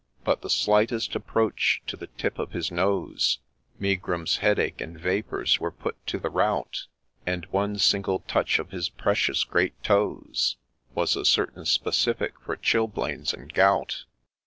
By the slightest approach to the tip of his Nose, Megrims, headache, and vapours were put to the rout ; And one single touch of his precious Great Toes Was a 'certain specific for chilblains and gout.